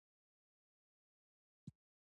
لویه ښځه یې په خبره نه پوهېږې !